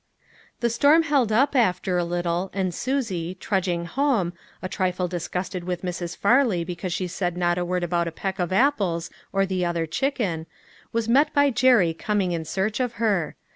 The storm held up after a little, and Susie, trudging home, a trifle disgusted with Mrs. Farley because she said not a word about the peck of apples or the other chicken, was met TOO GOOD TO BE TRUE. 397 by Jerry coming in search of her.